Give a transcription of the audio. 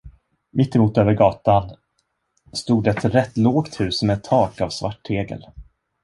Mitt emot över gatan stod ett rätt lågt hus med tak av svart tegel.